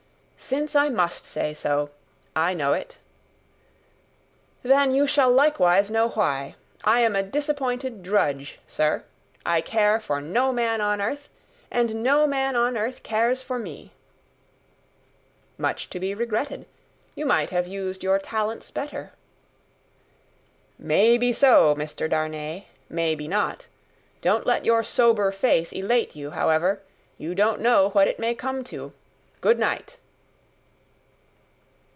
"Since I must say so, I know it." "Then you shall likewise know why. I am a disappointed drudge, sir. I care for no man on earth, and no man on earth cares for me." "Much to be regretted. You might have used your talents better." "May be so, Mr. Darnay; may be not. Don't let your sober face elate you, however; you don't know what it may come to. Good night!"